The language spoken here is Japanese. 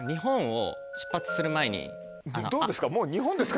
どうですか？